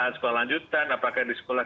sekolah lanjutan apakah di sekolah